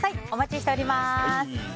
お待ちしております。